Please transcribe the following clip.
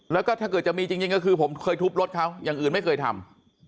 แล้วก็ถ้าเกิดจะมีจริงก็คือผมเคยทุบรถเขาอย่างอื่นไม่เคยทำ